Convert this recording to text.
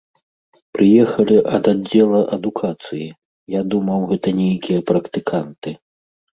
Прыехалі ад аддзела адукацыі, я думаў, гэта нейкія практыканты.